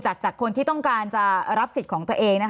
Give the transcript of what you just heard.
จากคนที่ต้องการจะรับสิทธิ์ของตัวเอง